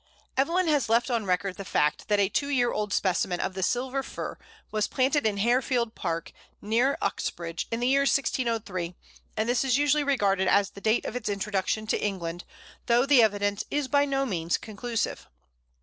Evelyn has left on record the fact that a two year old specimen of the Silver Fir was planted in Harefield Park, near Uxbridge, in the year 1603, and this is usually regarded as the date of its introduction to England, though the evidence is by no means conclusive.